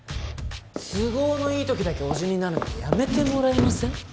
都合のいい時だけ叔父になるのやめてもらえません？